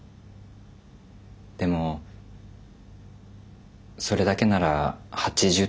でもそれだけなら８０点ですよ。